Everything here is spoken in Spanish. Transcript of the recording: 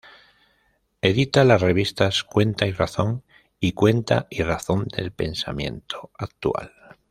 Edita las revistas "Cuenta y Razón" y "Cuenta y razón del pensamiento actual.